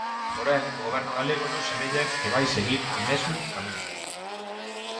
Porén, o Goberno galego non semella que vai seguir o mesmo camiño.